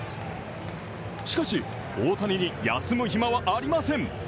しかし、大谷に休む暇はありません。